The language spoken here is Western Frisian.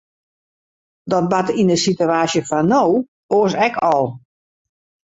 Dat bart yn de sitewaasje fan no oars ek al.